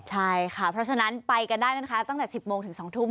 ใช่ค่ะเพราะฉะนั้นไปกันได้นะคะตั้งแต่๑๐โมงถึง๒ทุ่ม